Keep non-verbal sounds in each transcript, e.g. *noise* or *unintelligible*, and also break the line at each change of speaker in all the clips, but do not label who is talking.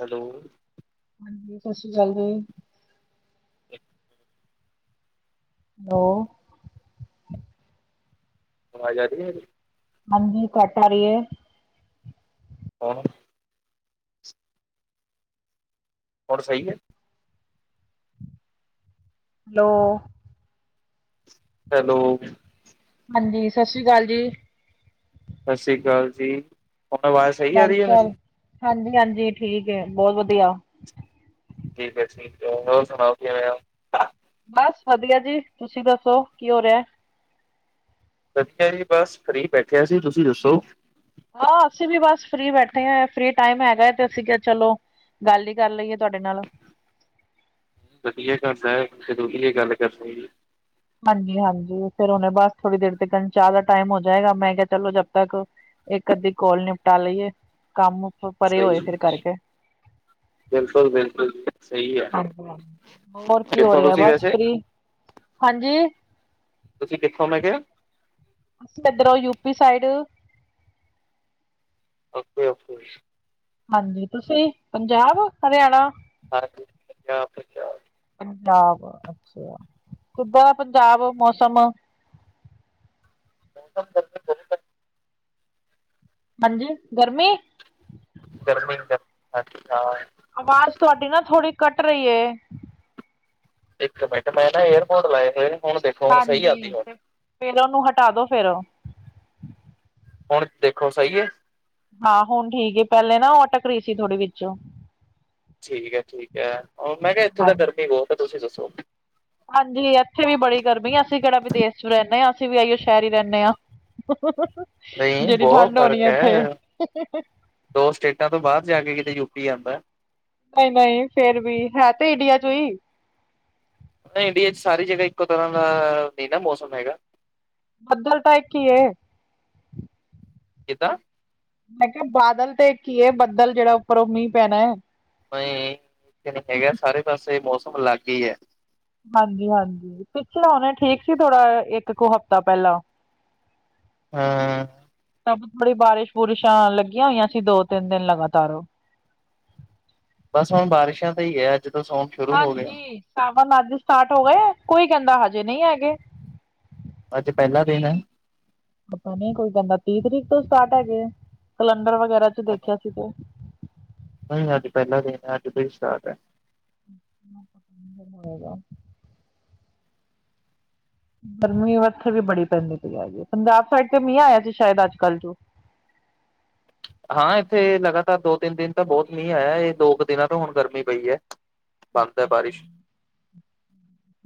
Hello
ਹਾਂਜੀ, ਸਸੀ ਕਾਲ ਜੀ।
*inaudible*
ਲੋ
ਅਵਾਜ ਆਰੀ ਐ ਜੀ।
ਹਾਂਜੀ ਘੱਟ ਆਰੀ ਐ।
ਹੁਨ ਹੁਨ ਸਈ ਐ।
ਹੈਲੋ
ਹੈਲੋ
ਹਾਂਜੀ, ਸਸਰੀ ਕਾਲ ਜੀ।
ਸਸਰੀ ਕਾਲ ਜੀ। ਥੋਨੂੰ ਅਵਾਜ਼
ਚਲ-ਚਲ, ਹਾਂਜੀ-ਹਾਂਜੀ ਠੀਕ ਏ ਬੋਤ ਵਦੀਆ।
ਠੀਕ ਐ ਠੀਕ ਐ ਹੋਰ ਸਨਾਓ ਕਿਵੇਂ ਓਂ।
ਬਸ ਵਦੀਆ ਜੀ, ਤੁਸੀਂ ਦੱਸੋ ਕੀ ਹੋ ਰਿਆ।
ਵਦੀਆ ਜੀ, ਬਸ ਫਰੀ ਬੈਠੇਆ ਸੀ ਤੁਸੀਂ ਦੱਸੋ
ਹਾਂ, ਅਸੀਂ ਵੀ ਬਸ ਫਰੀ ਬੈਠੇ ਆਂ ਫਰੀ ਟਾਈਮ ਹੈਗਾ ਤੇ ਅਸੀਂ ਕਿਆ ਚਲੋ ਗੱਲ ਈ ਕਰ ਲਈਏ ਤੁਆਡੇ ਨਾਲ।
ਵਦੀਆ ਗੱਲ ਐ, ਜਦੋਂ ਵੀ ਏ ਗੱਲ ਕਰਨੀ ਏ
ਹਾਂਜੀ-ਹਾਂਜੀ ਫਿਰ ਓਨੇ ਬਸ ਥੋੜੀ ਦੇਰ ਤੱਕਨ ਚਾ ਦਾ ਟਾਈਮ ਹੋ ਜਾਏਗਾ ਮੈਂ ਕਿਆ ਚਲੋ ਜਬ ਤੱਕ ਇੱਕ ਅੱਧੀ ਕੌਲ ਨਿਪਟਾ ਲਈਏ, ਕੰਮ ਪ- ਪਰੇ ਹੋਏ
ਸਈ
ਫਿਰ ਕਰਕੇ।
ਬਿਲਕੁਲ-ਬਿਲਕੁਲ।
ਅਪਰਾ, ਹੋਰ ਕੀ ਹੋ
ਕਿੱਥੋਂ
ਰਿਆ
ਤੁਸੀਂ
ਬਸ
ਵੈਸੇ
ਫਰੀ ਹਾਂਜੀ।
ਤੁਸੀਂ ਕਿੱਥੋਂ ਮੈ ਕਿਆ
ਅਸੀਂ ਏਧਰੋ ਯੂਪੀ ਸਾਈਡ
ਓਕੇ-ਓਕੇ।
ਹਾਂਜੀ ਤੁਸੀਂ ਪੰਜਾਬ, ਹਰਿਆਣਾ
*unintelligible* ਕੜਾ ਪਰਸਾਦ।
ਪੰਜਾਬ, ਅੱਛੇਆ ਕਿੱਦਾਂ ਐ ਪੰਜਾਬ ਮੌਸਮ।
*inaudible*
ਹਾਂਜੀ ਗਰਮੀ
ਗਰਮੀ ਗਾ ਅੱਛਾ ਆ
ਆਵਾਜ ਤੁਆਡੀ ਨਾ ਥੋੜ੍ਹੀ ਕੱਟ ਰਈ ਏ।
ਇੱਕ ਮਿੰਟ ਮੈ ਨਾ ਏਅਰਪੋਰਟ ਲਾਏ ਹੋਏ ਨੇ, ਹੁਣ ਦੇਖੋ ਹੁਣ ਸਹੀ
ਹਾਜੀ,
ਆਉਂਦੀ ਹੁਣ
ਇਹਨਾ ਨੂੰ ਹਟਾ ਦਿਓ ਫਿਰ
ਹੁਣ ਦੇਖੋ ਸਈ ਏ,
ਹਾ ਹੁਣ ਠੀਕ ਏ ਪਹਿਲੇ ਨਾ ਉਹ ਆਟਕ ਰੀ ਸੀ ਥੋੜੀ ਵਿੱਚੋ
ਠੀਕ ਆ ਠੀਕ ਆ, ਉਹ ਮੈ ਕਿਹਾ ਇੱਥੇ ਤਾ ਗਰਮੀ ਬਹੁਤ ਆ, ਤੁਸੀ ਦੱਸੋ?
ਹਾਜੀ ਇੱਥੇ ਵੀ ਬੜੀ ਗਰਮੀ ਅਸੀ ਕਿਹੜਾ ਵਿਦੇਸ਼ ਚ ਰਹਿਨੇ ਆ ਅਸੀ ਵੀ ਇਹਓ ਸ਼ਹਿਰ ਰਹਿਨੇ ਆ।
ਨਹੀਂ
ਜਿਹੜੀ
ਬਹੁਤ
ਠੰਡ ਹੋਣੀ
ਫ਼ਰਕ
ਆ, ਇੱਥੇ
ਹੈ ਦੋ ਸਟੇਟਾ ਤੋ ਬਾਦ ਜਾ ਕੇ ਕਿਤੇ ਯੂਪੀ ਆਦਾ।
ਨਈ-ਨਈ ਫੇਰ ਵੀ ਹੈ ਤੇ ਇੰਡੀਆ ਚੋ ਈ।
ਨਈ ਇੰਡੀਆ ਚ ਸਾਰੀ ਜਗ੍ਹਾ ਇੱਕੋ ਤਰ੍ਹਾਂ ਦਾ ਨੀ ਨਾ ਮੌਸਮ ਹੈਗਾ।
ਬੱਦਲ ਤਾ ਇੱਕ ਈ ਏ।
ਕਿੱਦਾ?
ਮੈ ਕਿਹਾ ਬਾਦਲ ਤੇ ਇੱਕ ਈ ਐ ਬੱਦਲ ਜਿਹੜਾ ਉਪਰੋ ਉਹ ਮੀਹ ਪੈਣਾ ਐ।
ਨਈ, ਇੱਥੇ ਹੈਗਾ ਸਾਰੇ ਪਾਸੇ ਮੌਸਮ ਅਲੱਗ ਈ ਐ।
ਹਾਜੀ ਹਾਜੀ, ਪਿਛਲਾ ਹੁਣੇ ਠੀਕ ਸੀ ਥੋੜਾ ਇੱਕ ਕੁ ਹਫਤਾ ਪਹਿਲਾ *inaudible*
ਹਾਂ,
ਸਭ ਬੜੀ ਬਾਰਿਸ਼ ਬੁਰਿਸ਼ਾਂ ਆਣ ਲੱਗੀਆ ਹੋਈਆ ਸੀ ਦੋ ਤਿੰਨ ਦਿਨ ਲਗਾਤਾਰ ਉਹ
ਬਸ ਹੁਣ ਬਾਰਿਸ਼ਾ ਈ ਤੇ ਐ ਅੱਜ ਤੋ ਸੋਣ
ਹਾਜੀ, ਸਾਵਨ ਅੱਜ ਸਟਾਰਟ ਹੋ ਗਏ ਆ ਕੋਈ ਕਹਿੰਦਾ ਹਜੇ ਨਈ ਹੈਗੇ।
ਅੱਜ ਪਹਿਲਾ ਦਿਨ ਐ।
ਪਤਾ ਨੀ ਕੋਈ ਕਹਿੰਦਾ ਤੀਹ ਤਰੀਕ ਤੋ ਸਟਾਰਟ ਹੈਗੇ, ਕੈਲੰਡਰ ਵਗੈਰਾ ਚ ਦੇਖਿਆ। ਠੀਕ ਐ,
ਨਈ ਅੱਜ ਪਹਿਲਾ ਦਿਨ ਆ ਅੱਜ ਤੋ ਈ ਸਟਾਰਟ ਆ।
*inaudible* ਗਰਮੀ ਉੱਥੇ ਵੀ ਬੜੀ ਪੈਦੀ ਹੈਗੀ ਐ ਪੰਜਾਬ ਸਾਈਡ ਤੇ ਮੀਹ ਆਇਆ ਸੀ ਸ਼ਾਇਦ ਅੱਜ ਕੱਲ੍ਹ ਜੋ
ਹਾ ਇੱਥੇ ਲਗਾਤਾਰ ਦੋ ਤਿੰਨ ਦਿਨ ਤਾ ਬਹੁਤ ਮੀਹ ਆਇਆ ਇਹ ਦੋ ਕੁ ਦਿਨਾ ਤੋ ਹੁਣ ਗਰਮੀ ਪਈ ਆ। ਬੰਦ ਐ ਬਾਰਿਸ਼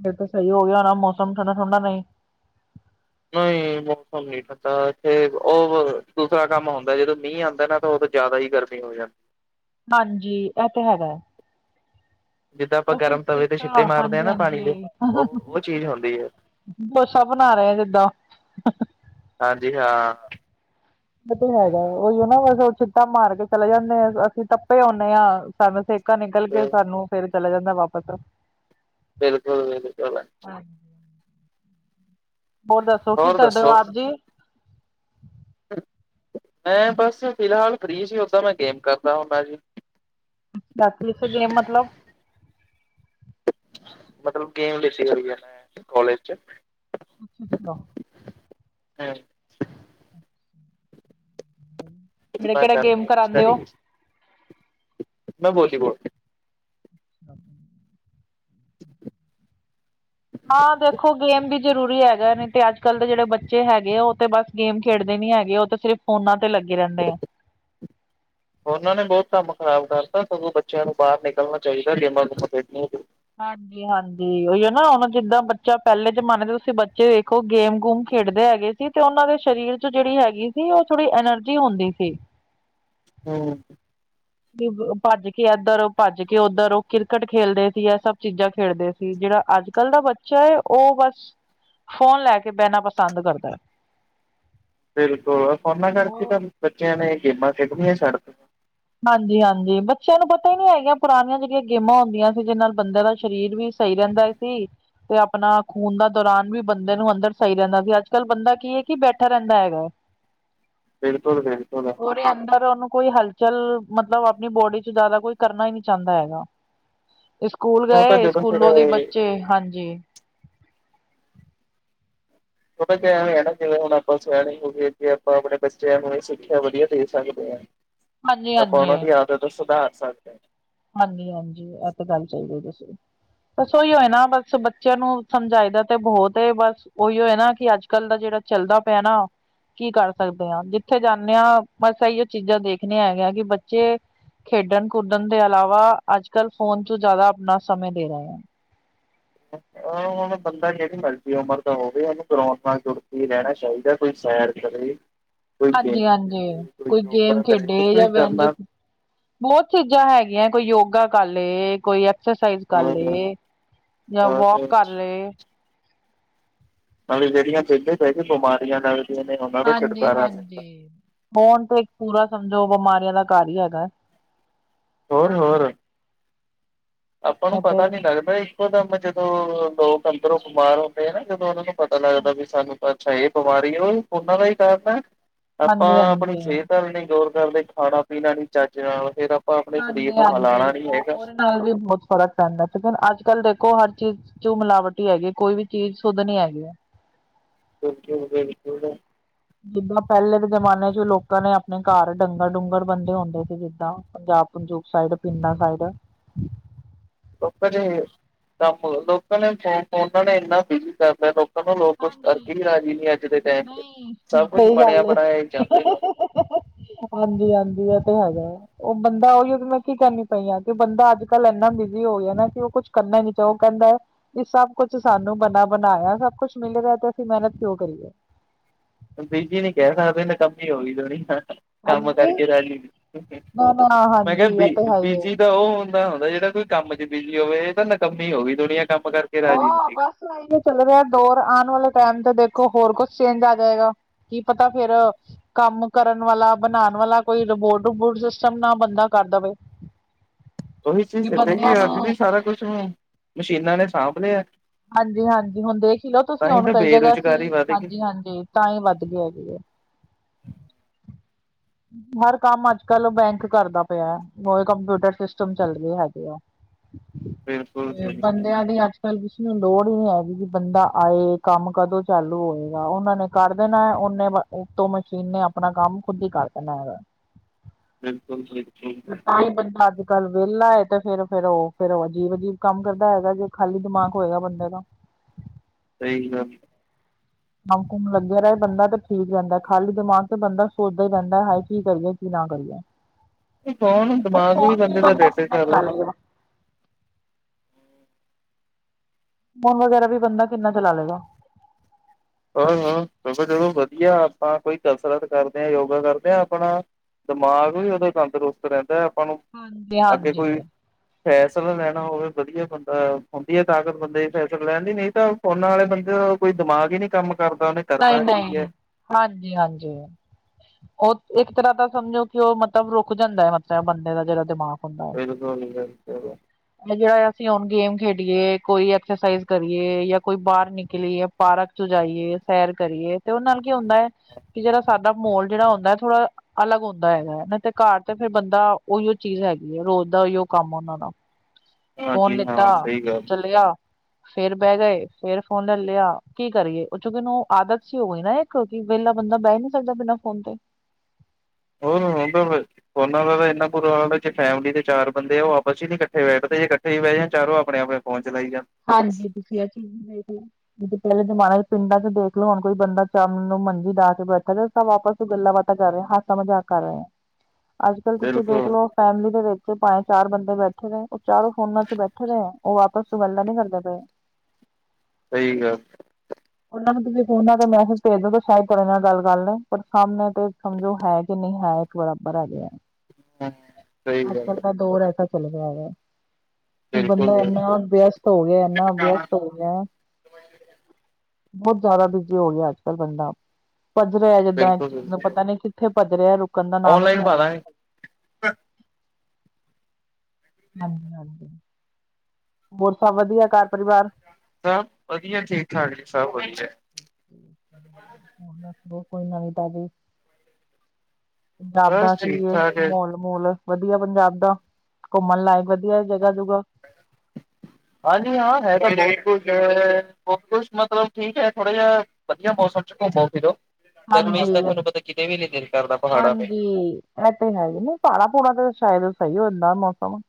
ਫਿਰ ਤਾ ਸਹੀ ਹੋ ਗਿਆ ਹੋਣਾ ਮੌਸਮ ਠੰਡਾ ਠੰਡਾ ਨਈ,
ਨਈ ਮੌਸਮ ਨੀ ਠੰਡਾ ਇੱਥੇ ਉਹ ਦੂਸਰਾ ਕੰਮ ਹੁੰਦਾ ਜਦੋ ਮੀਂਹ ਆਦਾ ਨਾ ਤਾ ਉਦੋ ਜ਼ਿਆਦਾ ਈ ਗਰਮੀ ਹੋ ਜਾਦੀ।
ਹਾਜੀ ਇਹ ਤੇ ਹੈਗਾ ਆ।
ਜਿੱਦਾਂ ਆਪਾਂ
ਉਹ ਫਿਰ
ਗਰਮ ਤਵੇ
ਸਿੱਖ
ਤੇ ਛਿੱਟੇ
ਆ
ਮਾਰਦੇ
ਹਾਜੀ
ਨਾ ਪਾਣੀ ਦੇ
ਹਾਜੀ।
ਉਹ ਉਹ ਚੀਜ਼ ਹੁੰਦੀ ਹੈ
ਬੱਸਾ ਬਣਾ ਰਹੇ ਆ ਜਿੱਦਾ।
ਹਾਜੀ ਹਾਂ।
ਐ ਤਾ ਹੈਗਾ ਏ ਉਹੀ ਨਾ ਬਸ ਉਹ ਛਿੱਟਾ ਮਾਰ ਕੇ ਚਲੇ ਜਾਦੇ ਆ ਅਸੀ ਤਪੇ ਆਉਨੇ ਆ। ਸਾਨੂੰ ਸੇਕਾ ਨਿਕਲ ਕੇ ਸਾਨੂੰ ਫਿਰ ਚਲਾ ਜਾਂਦਾ ਵਾਪਿਸ
ਬਿਲਕੁਲ-ਬਿਲਕੁਲ,
ਹਾਂ, ਹੋਰ ਦੱਸੋ ਕੀ
ਹੋਰ
ਕਰਦੇ ਔ
ਦੱਸੋ
ਆਪ ਜੀ?
ਮੈਂ ਬਸ ਫਿਲਹਾਲ ਫ੍ਰੀ ਸੀ ਓਦਾਂ ਮੈਂ ਗੇਮ ਕਰਦਾ ਹੁਨਾ ਜੀ।
ਬਾਕੀ ਉਥੇ ਗੇਮ ਮਤਲਬ
ਮਤਲਬ ਗੇਮ ਦੱਸੀ ਕਹਿੜੀ ਐ, ਕਾਲਜ ਚ
ਅੱਛਾ-ਅੱਛਾ,
ਐ
ਮੇਰਾ
ਤਾਂ
ਕਿਹੜਾ ਗੇਮ
ਕਰਕੇ
ਕਰਾਉਂਦੇ
ਸਟੱਡੀ
ਉ?
ਮੈਂ ਵੋਲੀਵੋਲ।
*inaudible*
*inaudible*
ਹਾਂ, ਦੇਖੋ ਗੇਮ ਵੀ ਜ਼ਰੂਰੀ ਹੈਗਾ। ਨਹੀਂ ਤੇ ਅੱਜ-ਕੱਲ੍ਹ ਦੇ ਜਿਹੜੇ ਬੱਚੇ ਹੈਗੇ, ਉਹ ਤੇ ਬਸ ਗੇਮ ਖੇਡਦੇ ਨੀ ਹੈਗੇ। ਉਹ ਤਾਂ ਸਿਰਫ ਫ਼ੋਨਾਂ ਤੇ ਲੱਗੇ ਰਹਿੰਦੇ ਐ। *inaudible*
ਫ਼ੋਨਾਂ ਨੇ ਬਹੁਤ ਕੰਮ ਖ਼ਰਾਬ ਕਰਤਾ। ਸਗੋਂ ਬੱਚਿਆਂ ਨੂੰ ਬਾਹਰ ਨਿਕਲਣਾ ਚਾਹੀਦਾ। ਗੇਮਾਂ-ਗੂਮਾਂ ਖੇਡਣੀਆਂ
ਹਾਂਜੀ। ਹਾਂਜੀ। ਉਈਓ ਨਾ ਹੁਣ ਜਿੱਦਾਂ, ਬੱਚਾ ਪਹਿਲੇ ਜਮਾਨੇ ਦੇ ਤੁਸੀਂ ਬੱਚੇ ਦੇੇਖੋ, ਗੇਮ-ਗੂਮ ਖੇਡਦੇ ਹੈਗੇ ਸੀ ਤੇ ਉਹਨਾਂ ਦੇ ਸ਼ਰੀਰ 'ਚ ਜਿਹੜੀ ਹੈਗੀ ਸੀ, ਉਹ ਥੋੜ੍ਹੀ ਐਨਰਜੀ ਹੁੰਦੀ ਸੀ।
ਹਮ।
ਵੀ ਭੱਜ ਕੇ ਐਧਰ, ਭੱਜ ਕੇ ਉੱਧਰ। ਉਹ ਕ੍ਰਿਕਟ ਖੇਲਦੇ ਸੀ। ਇਹ ਸਭ ਚੀਜ਼ਾਂ ਖੇਡਦੇ ਤੇ ਜਿਹੜਾ ਅੱਜ-ਕੱਲ੍ਹ ਦਾ ਬੱਚਾ ਏ। ਉਹ ਬਸ ਫ਼ੋਨ ਲੈ ਕੇ ਬਹਿਣਾ ਪਸੰਦ ਕਰਦਾ।
ਬਿਲਕੁਲ, ਆ ਫੋਨਾਂ ਕਰਕੇ ਤਾਂ ਬੱਚਿਆਂ ਨੇ ਇਹ ਗੇਮਾਂ ਖੇਡਣੀਆਂ ਛੱਡਤੀਆ।
ਹਾਂਜੀ-ਹਾਂਜੀ। ਬੱਚਿਆਂ ਨੂੰ ਪਤਾ ਈ ਨੀ ਹੈਗਾ। ਪੁਰਾਣੀਆਂ ਜਿਹੜੀਆਂ ਗੇਮਾਂ ਹੁੰਦੀਆਂ ਸੀ। ਜੀਦੇ ਨਾਲ ਬੰਦੇ ਦਾ ਸ਼ਰੀਰ ਵੀ ਸਹੀ ਰਹਿੰਦਾ ਏ ਸੀ। ਤੇ ਆਪਣਾ ਖੂਨ ਦਾ ਦੌਰਾਨ ਵੀ, ਬੰਦੇ ਨੂੰ ਅੰਦਰ ਸਹੀ ਰਹਿੰਦਾ ਸੀ। ਅੱਜ-ਕੱਲ੍ਹ ਬੰਦਾ ਕੀ ਐ, ਕਿ ਬੈਠਾ ਰਹਿੰਦਾ ਹੈਗਾ ਐ। *inaudible*
ਬਿਲਕੁਲ-ਬਿਲਕੁਲ।
ਤੇ ਅੰਦਰ ਉਹਨੂੰ ਕੋਈ ਹਲਚਲ। ਮਤਲਬ ਆਪਣੀ ਬੋਡੀ 'ਚ ਜ਼ਿਆਦਾ ਕੋਈ ਕਰਨਾ ਈ ਨ੍ਹੀਂ ਚਾਹੁੰਦਾ ਹੈਗਾ। ਇਹ ਸਕੂਲ
ਉਹ ਤਾਂ
ਗਏ,
ਜਦੋਂ ਫਿਰ
ਇਸਕੂਲੋਂ ਦੀ ਬੱਚੇ, ਹਾਂਜੀ।
ਉਹ ਤਾਂ ਇਕ ਐਵੇਂ ਏ ਨਾ। ਜਿਵੇਂ ਹੁਣ ਆਪਾਂ ਸਿਆਣੇ ਈ ਹੋਗੇ। ਅੱਗੇ ਆਪਾਂ ਆਪਣੇ ਬੱਚਿਆਂ ਨੂੰ ਇਹ ਸਿੱਖਿਆ ਵਧੀਆ ਦੇ ਸਕਦੇ ਆ।
ਹਾਂਜੀ
ਆਪਾ
ਹਾਂਜੀ
ਓਹਨਾਂ ਦੀਆ ਆਦਤਾਂ ਸੁਧਾਰ ਸਕ
ਹਾਂਜੀ-ਹਾਂਜੀ। ਐਹ ਤਾਂ ਗੱਲ ਸਹੀ ਕਹੀ ਤੁਸੀਂ। ਬਸ ਓਈਓ ਐ ਨਾ, ਬਸ ਬੱਚਿਆਂ ਨੂੰ ਸਮਝਾਈ ਦਾ ਤਾਂ ਬਹੁਤ ਏ। ਬਸ ਉਈਓ ਐ ਨਾ, ਕਿ ਅੱਜ-ਕੱਲ੍ਹ ਦਾ ਜਿਹੜਾ ਚੱਲਦਾ ਪਿਆ ਨਾ ਕੀ ਕਰ ਸਕਦੇ ਆ। ਜਿੱਥੇ ਜਾਂਨੇ ਆ, ਬਸ ਐਈਓ ਚੀਜ਼ਾਂ ਦੇਖਣੇ ਹੈਗੇ ਆ ਕਿ ਬੱਚੇ ਖੇਡਣ-ਕੁਦਣ ਦੇ ਇਲਾਵਾ। ਅੱਜ-ਕੱਲ੍ਹ ਫ਼ੋਨ 'ਚ ਜ਼ਿਆਦਾ ਆਪਣਾ ਸਮੇਂ ਦੇ ਰਹੇ ਆ।
ਆ, ਹੁਣ ਬੰਦਾ ਜਿਹੜੀ ਮਰਜ਼ੀ ਉਮਰ ਦਾ ਹੋਵੇ। ਉਹਨੂੰ ਗਰਾਊਂਡ ਨਾਲ ਜੁੜ ਕੇ ਈ ਰਹਿਣਾਂ ਚਾਹੀਦਾ। ਕੋਈ ਸੈਰ ਕਰੇ ਕੋਈ ਗੇਮ
ਹਾਂਜੀ-ਹਾਂਜੀ।
ਖੇਡੇ,
ਕੋਈ ਗੇਮ
ਯੋਗਾ ਕਰੇ
ਖੇਡੇ
ਕੁਛ
ਜਾਂ
ਵੀ
ਵਿਆਮ ਜੋ
ਕਰਨਾ
ਬੜੀਆਂ ਚੀਜ਼ਾਂ ਹੈਗੀਆਂ। ਕੋਈ ਯੋਗਾ ਕਰਲੇ। ਕੋਈ ਐਕ ਐਕਸਰਸਾਈਜ਼
ਅ
ਕਰਲੇ ਜਾਂ
ਔਰ
ਵੌਕ ਕਰਲੇ।
ਭਾਵੇਂ ਜਿਹੜੀਆਂ ਵੇਹਲੇ ਬਹਿ ਕੇ ਬਿਮਾਰੀਆਂ ਲੱਗਦੀਆਂ ਨੇ। ਉਹਨਾਂ ਤੋਂ ਛੁਟਕਾਰਾ ਮਿਲਦਾ।
ਫ਼ੋਨ ਤੇ ਇੱਕ ਪੂਰਾ ਸਮਝੋ, ਬਿਮਾਰੀਆਂ ਦਾ ਘਰ ਈ ਹੈਗਾ।
ਹੋਰ-ਹੋਰ। ਆਪਾਂ ਨੂੰ
ਉਹ ਤੇ
ਪਤਾ ਨੀ ਲੱਗਦਾ। ਇੱਕੋ-ਦਮ ਜਦੋਂ ਲੋਕ ਅੰਦਰੋਂ ਬਿਮਾਰ ਹੁੰਦੇ ਆ ਨਾ। ਜਦੋਂ ਉਹਨਾਂ ਨੂੰ ਪਤਾ ਲੱਗਦਾ ਵੀ ਸਾਨੂੰ ਤਾਂ ਅੱਛਾ ਇਹ ਬਿਮਾਰੀ ਆ। ਉਹ ਉਹਨਾ ਦਾ ਈ ਕਾਰਨ ਐ। ਆਪਾਂ
ਹਾਂਜੀ
ਆਪਣੀ
ਹਾਂਜੀ
ਸਿਹਤ ਦਾ ਵੀ ਨੀ ਗੌਰ ਕਰਦੇ। ਖਾਣਾ-ਪੀਣਾ ਨੀ ਚੱਜ ਨਾਲ। ਫਿਰ ਆਪਾਂ ਆਪਣੇ ਸਰੀਰ
ਹਾਂਜੀ
ਨੂੰ ਹਲਾਣਾ
ਹਾਂਜੀ
ਨੀ
ਉਹ
ਹੈਗਾ।
ਉਹਦੇ ਨਾਲ ਵੀ ਬਹੁਤ ਫ਼ਰਕ ਪੈਂਦਾ ਤੇ ਫਿਰ ਅੱਜ-ਕੱਲ੍ਹ ਦੇਖੋ ਹਰ ਚੀਜ਼ ਜੋ ਮਿਲਾਵਟੀ ਹੀ ਹੈਗੀ ਐ ਕੋਈ ਵੀ ਚੀਜ਼ ਸੁੱਧ ਨਹੀ ਹੈਗੀ ਐ
*unintelligible*
ਜਿੱਦਾਂ ਨਾ ਪਹਿਲੇ ਦੇ ਜਮਾਨੇ ਚ ਲੋਕਾਂ ਨੇ ਆਪਣੇ ਘਰ ਡੰਗਰ ਡੂੰਗਰ ਬੰਡੇ ਹੁੰਦੇ ਸੀ ਜਿੱਦਾਂ ਆ ਪੰਜਾਬ ਪੰਜੂਬ ਸਾਈਡ ਐ ਪਿੰਡਾਂ ਸਾਈਡ ਐ
ਲੋਕਾਂ ਨੇ ਕੰਮ ਲੋਕਾਂ ਨੇ ਫ ਫੋਨਾਂ ਨੇ ਏਨਾ ਬਿਜੀ ਕਰ ਤਾ ਆ ਲੋਕ ਕਦੋ ਲੋਕ ਕੁਛ ਕਰਕੇ ਈ ਰਾਜਜੀ ਨੀ ਅੱਜ ਦੇ ਟਾਈਮ ਤੇ ਸਭ ਕੁਛ
ਸਹੀ
ਬਣਿਆ
ਗੱਲ
ਬਣਾਇਆ ਹੀ ਚਾਦੇ ਨੇ
ਏ ਹਾਂਜੀ ਈ ਹਾਂਜੀ ਈ ਇਹ ਤੇ ਹੈਗਾ ਐ ਉਹ ਬੰਦਾ ਉਹਦੀ ਮੈਂ ਕੀ ਕਹਿਣੀ ਪਈ ਆ ਕਿ ਉਹ ਬੰਦਾ ਅੱਜ ਕੱਲ ਇੰਨਾ ਬਿਜ਼ੀ ਹੋ ਗਿਆ ਨਾ ਕਿ ਉਹ ਕੁਛ ਕਰਨਾ ਜਿੱਦਾਂ ਉਹ ਕਹਿੰਦਾ ਐ ਇਹ ਸਭ ਸਾਨੂੰ ਬਣਾ ਬਣਾਇਆ ਸਭ ਕੁੱਛ ਮਿਲ ਰਿਹਾ ਐ ਤੇ ਅਸੀਂ ਮਿਹਨਤ ਕਿਉਂ ਕਰੀਏ
ਬਿਜੀ ਨੀ ਕਹਿਣਾ ਆ ਵੇ ਏ ਨਕੰਮੀ ਹੋ ਗਈ ਦੁਨੀਆ ਹਾ ਹਾ ਕੰਮ
ਹਾਂਜੀ
ਕਰਕੇ ਰਾਜੀ ਨੀ ਈ
ਨਾ ਨਾ
ਮੈਂ ਕਿਹਾ
ਹਾਂਜੀ ਇਹ
ਬੀ
ਤੇ ਹੈ ਹੀ
ਬੀਜੀ ਤਾਂ ਉਹ ਉਨੂੰ ਤਾ ਆ ਹੁੰਦਾ ਜਿਹੜਾ ਕੋਈ ਕੰਮ ਚ ਬਿਜ਼ੀ ਹੋਵੇ ਏ ਇਹ ਤਾਂ ਨਕੰਮੀ ਹੋ ਗਈ ਦੁਨੀਆਂ ਕੰਮ ਕਰਕੇ ਰਾਜੀ
ਹਾਂ
ਨਹੀਂ
ਬਸ ਚੱਲ ਰਿਹਾ ਐ ਦੋਰ ਆਣ ਵਾਲੇ ਟਾਈਮ ਤੇ ਦੇਖੋ ਹੋਰ ਕੁਛ ਚੇਂਜ ਆ ਜਾਏਗਾ ਕੀ ਪਤਾ ਫੇਰ ਐ ਕੰਮ ਕਰਨ ਵਾਲਾ ਬਣਾਉਣ ਵਾਲਾ ਕੋਈ ਰਿਬੋਟ ਰਬੋਟ ਸਿਸਟਮ ਨਾ ਬੰਦਾ ਕਰ ਦਵੇ ਏ
ਉਹੀ ਚੀਜ਼ ਚੱਲੇ ਗੀ ਅੱਜ
ਨੂੰ
ਵੀ ਸਾਰਾ ਕੁਛ ਮਸ਼ੀਨਾਂ ਨੇ ਸਾਂਭ ਲਿਆ
ਹਾਂਜੀ ਹਾਂਜੀ ਈ ਹੁਣ ਦੇਖ ਹੀ ਲਓ
ਤਾਂ
ਤੁਸੀਂ ਹੁਣ
ਤਾਂ
ਕਈ ਜਗ੍ਹਾ ਸੀ
ਬੇਰੁਜ਼ਗਾਰੀ ਵੱਧ ਗਈ
ਹਾਂਜੀ ਈ ਹਾਂਜੀ ਈ ਤਾਂ ਈ ਵੱਧ ਗਏ ਹੈਗੇ ਆ *inaudible* ਹਰ ਕੰਮ ਅੱਜ ਕੱਲ ਆ ਬੈਂਕ ਕਰਦਾ ਪਿਆ ਹੋ ਕੰਪਿਊਟਰ ਸਿਸਟਮ ਚਲਦੇ ਹੈਗੇ ਐ
ਬਿਲਕੁਲ
ਤੇ
ਬਿਲਕੁਲ
ਬੰਦਿਆਂ ਦੀ ਅੱਜ ਆ ਸਰਵਿਸ ਨੂੰ ਲੋੜ ਹੀ ਨੀ ਹੈਗੀ ਕੀ ਬੰਦਾ ਆਏ ਕੰਮ ਕਦੋਂ ਚਾਲੂ ਹੋਏਗਾ ਉਹਨਾਂ ਨੇ ਕਰ ਦੇਣਾ ਐ ਉਨੇ ਬਸ ਉਤੋਂ ਮਸ਼ੀਨ ਨੇ ਆਪਣਾ ਕੰਮ ਖੁੱਦ ਈ ਕਰ ਦੇਣਾ ਹੈਗਾ
ਬਿਲਕੁਲ ਬਿਲਕੁਲ
ਤੇ ਤਾਂ ਈ ਬੰਦਾ ਅੱਜ ਕੱਲ ਵਿਹਲਾ ਐ ਤੇ ਫੇਰ ਫੇਰ ਉਹ ਫੇਿਰ ਉਹ ਅਜੀਬ ਅਜੀਬ ਕੰਮ ਕਰਦਾ ਹੈਗਾ ਜੇ ਖਾਲੀ ਦਿਮਾਗ ਹੋਏਗਾ ਬੰਦੇ ਦਾ
ਸਹੀ ਗੱਲ ਆ
ਕੰਮ ਕੁੁਮ ਲੱਗਿਆ ਰ ਬੰਦਾ ਤਾਂ ਠੀਕ ਰਹਿੰਦਾ ਐ ਖਾਲੀ ਦਿਮਾਗ ਚ ਬੰਦਾ ਸੋਚਦਾ ਰਹਿੰਦਾ ਐ ਹਏ ਕੀ ਕਰੀਏ ਕੀ ਨਾ ਕਰੀਏ
ਕੌਣ
ਉਹ
ਦਿਮਾਗ
ਫੋਨ ਵੀ
ਬੰਦੇ
ਬੰਦਾ ਖੁਦ
ਡੇਟੇ
ਦਾ
ਕਰ
ਚਲਾ
ਲੈਂਦਾ
ਲੇਦਾ ਫੋਨ ਵਗੈਰਾ ਵੀ ਬੰਦਾ ਕਿੰਨਾ ਚਲਾ ਲਏਗਾ ਆ
ਅਹਾ ਅਹਾ ਸਗੋ ਚਲੋ ਵਧੀਆ ਆਪਾ ਕੋਈ ਕਸਰਤ ਕਰਦੇ ਯੋਗਾ ਕਰਦੇ ਹਾਂ ਆਪਣਾ ਦਿਮਾਗ ਵੀ ਉਹਦਾ ਤੰਦਰੁਸਤ ਰਹਿੰਦਾ ਹੈ ਆਪਾਂ ਨੂੰ ਅੱਗੇ
ਹਾਂਜੀ-ਹਾਂਜੀ
ਕੋਈ ਫੈਸਲਾ ਲੈਣਾ ਹੋਵੇ ਵਧੀਆ ਬੰਦਾ ਹੁੰਦੀ ਹੈ ਤਾਕਤ ਬੰਦੇ ਦੀ ਫੈਸਲਾ ਲੈਣ ਦੀ ਨਹੀਂ ਤਾਂ ਉਹਨਾਂ ਵਾਲੇ ਬੰਦੇ ਦਾ ਕੋਈ ਦਿਮਾਗ ਹੀ ਨੀ ਕੰਮ ਕਰਦਾ ਉਹਨੇ
ਨਹੀਂ
ਕਰਨਾ ਕੀ
ਨਹੀਂ
ਹੈ
ਹਾਂਜੀ ਹਾਂਜੀ ਉਹ ਇੱਕ ਤਰ੍ਹਾਂ ਦਾ ਸਮਝੋ ਕਿ ਉਹ ਮਤਲਬ ਰੁਕ ਜਾਂਦਾ ਹੈ ਮਤਲਬ ਬੰਦੇ ਦਾ ਜਿਹੜਾ ਦਿਮਾਗ ਹੁੰਦਾ ਹੈ।
ਬਿਲਕੁਲ ਜੀ ਬਿਲਕੁਲ
ਜਿਹੜਾ ਅਸੀਂ ਹੁਣ ਗੇਮ ਖੇਡੀਏ ਕੋਈ ਐਕਸਰਸਾਈਜ਼ ਕਰੀਏ ਜਾਂ ਕੋਈ ਬਾਹਰ ਨਿਕਲੀਏ ਪਾਰਕ ਚ ਜਾਈਏ ਸੈਰ ਕਰੀਏ ਤੇ ਉਹ ਨਾਲ ਕੀ ਹੁੰਦਾ ਹੈ ਕੀ ਜਿਹੜਾ ਸਾਡਾ ਮਾਹੌਲ ਜਿਹੜਾ ਹੁੰਦਾ ਥੋੜਾ ਅਲੱਗ ਹੁੰਦਾ ਹੈਗਾ ਨਾ ਘਰ ਤੇ ਫਿਰ ਬੰਦਾ ਉਹੀਓ ਚੀਜ਼ ਹੈਗੀ ਹੈ ਰੋਜ਼ ਦਾ ਉਹੀ ਕੰਮ ਉਹਨਾਂ ਦਾ ਫੋਨ
ਹਾਂਜੀ
ਲਿੱਤਾ
ਹਾਂ ਸਹੀ ਗੱਲ
ਚੱਲਿਆ ਫੇਰ ਬਹਿ ਗਏ ਫੇਰ ਫੋਨ ਲੈ ਲਿਆ ਕੀ ਕਰੀਏ ਕਿਉਂਕਿ ਉਹਨੂੰ ਆਦਤ ਜੀ ਹੋਈ ਨਾ ਇੱਕ ਕਿ ਵਹਲਾ ਬੰਦਾ ਬਹਿ ਨੀ ਸਕਦਾ ਬਿਨਾਂ ਫੋਨ ਤੋ।
ਹੋਰ ਹੋਣ ਦੋ ਫਿਰ ਫੋਨਾਂ ਦਾ ਤਾਂ ਇੰਨਾ ਬੁਰਾ ਹਾਲ ਜੇ ਫੈਮਿਲੀ ਦੇ ਚਾਰ ਬੰਦੇ ਆ ਉਹ ਆਪਸ ਚ ਨੀ ਇਕੱਠੇ ਬੈਠਦੇ ਜੇ ਕਈ ਵਾਰੀ ਨਾ ਚਾਰੋ ਆਪਣੇ ਆਪਣੇ ਫੇਰ ਫੋਨ ਚਲਾਈ ਜਾ
ਹਾਂਜੀ ਤੁਸੀਂ ਆ ਚੀਜ਼ ਦੇਖਲੀ ਜੇ ਪਹਿਲੇ ਜਮਾਨੇ ਚ ਪਿੰਡਾਂ ਚ ਦੇਖਲੋ ਹੁਣ ਕੋਈ ਬੰਦਾ ਸ਼ਾਮ ਨੂੰ ਮੰਜੀ ਡਾਕੇ ਬੈਠਾ ਦਾ ਏਦਾਂ ਵਾਪਸ ਗੱਲਾਂ ਬਾਤਾਂ ਕਰ ਰਹੇ ਆ ਹਾਸਾ ਮਜਾਕ ਕਰ ਰਹੇ ਆ ਅੱਜ ਕੱਲ ਤੁਸੀਂ
ਬਿਲਕੁਲ
ਦੇਖਲੋ ਫੈਮਲੀ ਦੇ ਵਿੱਚ ਪੰਜ- ਚਾਰ ਬੰਦੇ ਬੈਠੇ ਨੇ ਉਹ ਚਾਰੋਂ ਫੋਨਾਂ ਚ ਬੈਠੇ ਨੇ ਉਹ ਵਾਪਸ ਵ ਮਨ ਕਰਦਾ ਪੇਆ
ਸਹੀ ਗਾ
*inaudible* ਉਹਨਾਂ ਨੂੰ ਤੁਸੀਂ ਫੋਨਾ ਤੇ ਮੈਸੇਜ ਭੇਜ ਦਿਉ ਤੇ ਸ਼ਾਇਦ ਤੁਹਾਡੇ ਨਾਲ ਗੱਲ ਕਰ ਲੈਨ ਪਰ ਸਾਹਮਣੇ ਤੇ ਸਮਝੋ ਹੈ ਕਿ ਨਹੀਂ ਹੈ। ਬਰਾਬਰ ਆ ਗਿਆ,
ਸਹੀ
ਅੱਜ
ਗੱਲ
ਕੱਲ ਦਾ ਦੌਰ ਐਸਾ ਚੱਲ ਰਿਹਾ ਹੈਗਾ।
ਬਿਲਕੁਲ
ਬੰਦਾ ਏੰਨਾ
ਬਿਲਕੁਲ
ਵਿਅਸਤ ਹੋ ਗਿਆ ਇੰਨਾ
ਬਿਲਕੁਲ
ਵਿਅਸਤ ਹੋ ਗੇਆ ਬਹੁਤ ਜ਼ਿਆਦਾ ਬਿਜੀ ਹੋ ਗਿਆ ਅੱਜ ਕੱਲ੍ਹ ਬੰਦਾ। ਭਜ ਰਿਹਾ ਜਿੱਦਾਂ ਇੱਕ ਚੀਜ਼
ਬਿਲਕੁਲ
ਨੂੰ ਪਤਾ ਨੀ ਕਿੱਥੇ ਭੱਜ ਰਿਹਾ, ਰੁਕਨ ਦਾ ਨਾਮ ਹੀ
ਔਨਲਾਈਨ
ਲੈ
ਪਾ
ਰਿਹਾ।
ਦਾਂਗੇ
ਹਾਂਜੀ-ਹਾਂਜੀ ਹੋਰ ਸਭ ਵਦੀਆ ਘਰ ਪਰਿਵਾਰ।
ਸਭ ਵਦੀਆ ਠੀਕ ਠਾਕ ਜੀ ਸਭ ਵਦੀਆ।
ਹੋਰ ਦਸਦੇ ਕੋਈ ਨਵੀਂ ਤਾਜੀ ਪੰਜਾਬ ਦਾ
ਬਸ
ਕੀ
ਠੀਕ
ਇਹ,
ਠਾਕ ਹੈ
ਮਾਹੋਲ ਮੋਲ ਵਦੀਆ ਪੰਜਾਬ ਦਾ, ਘੁੰਮਣ ਲਾਇਕ ਵਦੀਆ ਇਹ ਜਗ੍ਹਾ-ਜੁਗਾ
ਹਾਂਜੀ ਹਾਂ ਹੈ ਤਾ ਬਿਲਕੁਲ ਸੇਫ ਹੋਰ ਕੂਛ ਮਤਲਬ ਠੀਕ ਐ ਥੋੜਾ ਜਿਹਾ ਵਦੀਆ ਮੌਸਮ ਚ ਘੁੰਮੋ ਫਿਰੋ ਗਰਮੀ ਚ
ਹਾਂਜੀ
ਤੁਹਾਨੂੰ ਪਤਾ ਕਿਤੇ ਵੀ ਨੀ ਦਿਲ ਕਰਦਾ ਪਹਾੜਾਂ ਤੇ
ਹਾਂਜੀ ਇਹ ਤੇ ਹੈ ਈ ਏ ਨਹੀਂ ਪਹਾੜਾ-ਪੁਹਾੜਾ ਤੇ ਸ਼ਾਇਦ ਸਹੀ ਹੋਦਾੰ ਮੌਸਮ।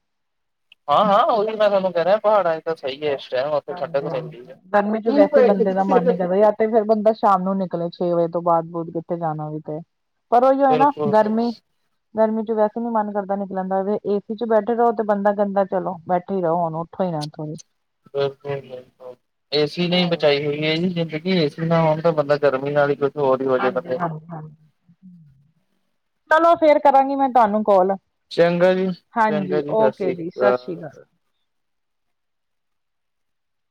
ਹਾਂ ਹਾਂ ਉਹਹੀ ਮੈ ਤਾਨੂੰ ਕਹਿ ਰਿਹਾ ਪਹਾੜਾਂ 'ਚ ਮੌਸਮ ਸਹੀ ਏ ਇਸ ਟਾਈਮ ਓਥੇ ਠੰਡਕ ਮਿਲਦੀ
ਗਰਮੀ ਚ ਵੈਸੇ ਹੀ ਬੰਦੇ ਦਾ ਮਨ ਨੀ
ਐ।
ਕਰਦਾ ਜਾਂ ਤੇ ਫੇਿਰ ਬੰਦਾ ਸ਼ਾਮ ਨੂੰ ਨਿਕਲੇ ਛੇ ਵਜੇ ਤੋਂ ਬਾਅਦ ਦੂਰ ਕਿੱਥੇ ਜਾਨਾ ਵੀ ਤੇ। ਪਰ ਉਹ ਔ ਹੈ ਨਾ
ਬਿਲਕੁਲ ਬਿਲਕੁਲ
ਗਰਮੀ ਗਰਮੀ ਚ ਵੈਸੇ ਨੀ ਮਨ ਕਰਦਾ ਨਿਕਲਨਦਾ ਏਸੀ ਚ ਬੈਠੇ ਰਹੋ ਤੇ ਬੰਦਾ ਕਹਿਦਾ ਚਲੋ ਬੈਠੇ ਹੀ ਰਹੋ ਹੁਨ- ਕੋਈ ਨਾ ਕੋਈ
ਬਿਲਕੁਲ ਬਿਲਕੁਲ ਏਸੀ ਨੇ ਈ
ਹਾਂਜੀ
ਬਚਾਈ ਹੋਈ ਜੇ ਜੀ ਜ਼ਿੰਦਗੀ ਏਸੀ ਨਾ ਹੋਨ ਤਾਂ ਬੰਦਾ ਗਰਮੀ ਨਾਲ ਹੀ ਕੁਝ ਹੋਰ ਹੀ ਹੋ
ਹਾਂਜੀ
ਜਾਂਦਾ।
ਹਾਂਜੀ ਚਲੋ ਫੇਿਰ ਕਰਾਂਗੀ ਮੈਂ ਤੁਹਾਨੂੰ ਕੋਲ
ਚੰਗਾ ਜੀ ਚੰਗਾ
ਹਾਂਜੀ
ਜੀ ਸਤਿ
ਓਕੇ
ਸ੍ਰੀ
ਜੀ ਸਸਿ ਸ਼੍ਰੀ ਅਕਾਲ